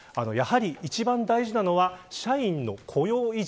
一番大事なのは社員の雇用維持。